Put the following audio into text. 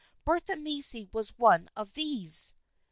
Bertha Macy was one of these.